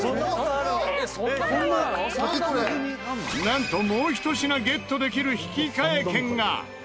なんともう１品ゲットできる引換券が。